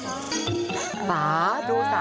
ดูตรงนี้นะคะ